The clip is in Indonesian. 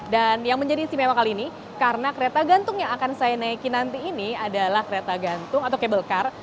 dan yang menjadi istimewa kali ini karena kereta gantung yang akan saya naikin nanti ini adalah kereta gantung atau cable car